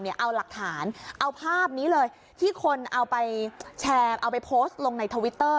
เอาหลักฐานเอาภาพนี้เลยที่คนเอาไปแชร์เอาไปโพสต์ลงในทวิตเตอร์